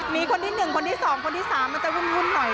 มีคนที่หนึ่งคนที่สองคนที่สามมันจะวุ่นหน่อย